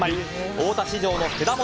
大田市場の果物